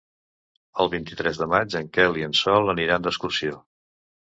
El vint-i-tres de maig en Quel i en Sol aniran d'excursió.